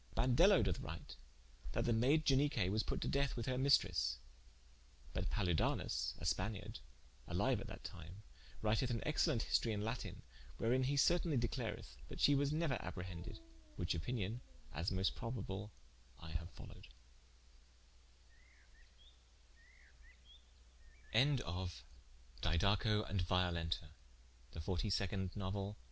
Bandell doth wryte, that the mayde Ianique was put to death with her maistres: but Paludanus a Spaniard, a liue at that time, writeth an excellent historie in Latine, wherin he certainly declareth that she was neuer apprehended, which opinion (as most probable) I haue folowed. THE FORTY THIRD NOUELL.